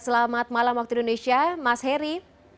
selamat malam waktu indonesia mas heri